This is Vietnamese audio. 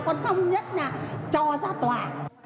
còn không nhất là cho ra tòa